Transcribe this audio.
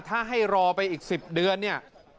ถ้าให้รอไปอีก๑๐เดือนเนี่ย